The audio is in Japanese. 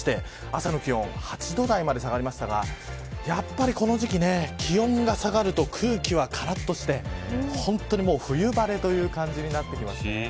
朝の気温８度台まで下がりましたがやっぱりこの時期、気温が下がると空気はからっとして本当に冬晴れという感じになってきます。